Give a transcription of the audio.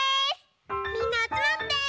みんなあつまって！